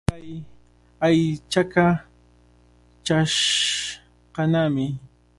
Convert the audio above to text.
Kay aychaqa chashqanami.